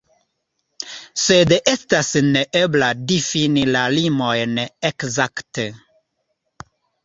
Sed estas neebla difini la limojn ekzakte.